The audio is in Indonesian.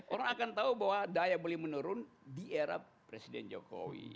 orang akan tahu bahwa daya beli menurun di era presiden jokowi